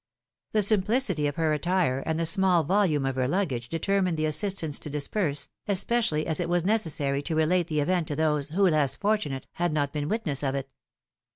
The simplicity of her attire and the small volume of her luggage determined the as sistants to disperse, especially as it was necessary to relate the event to those who, less fortunate, had not been witness of it.